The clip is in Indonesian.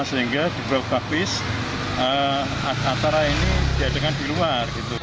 sehingga di bawah kapis antara ini diadakan di luar